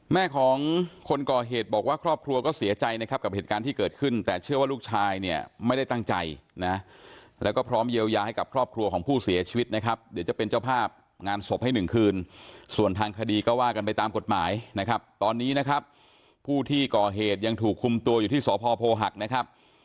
แม่ของคนก่อเหตุบอกว่าครอบครัวก็เสียใจนะครับกับเหตุการณ์ที่เกิดขึ้นแต่เชื่อว่าลูกชายเนี่ยไม่ได้ตั้งใจนะแล้วก็พร้อมเยียวยาให้กับครอบครัวของผู้เสียชีวิตนะครับเดี๋ยวจะเป็นเจ้าภาพงานศพให้หนึ่งคืนส่วนทางคดีก็ว่ากันไปตามกฎหมายนะครับตอนนี้นะครับผู้ที่ก่อเหตุยังถูกคุมตัวอยู่ที่สพโพหักนะครับ